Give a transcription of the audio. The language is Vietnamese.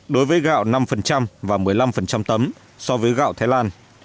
đối với gạo năm và một mươi năm tấm so với gạo thái lan